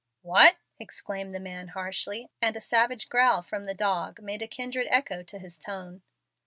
"What?" exclaimed the man, harshly, and a savage growl from the dog made a kindred echo to his tone.